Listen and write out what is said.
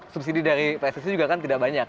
subsidi dari pssi juga kan tidak banyak